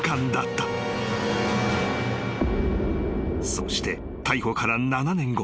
［そして逮捕から７年後。